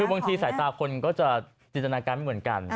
คือบางทีสายตาคนก็จะจินตนาการไม่เหมือนกัน